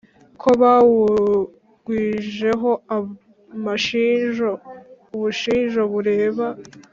Ko bawugwijeho amashinjo, ubushinjo bureba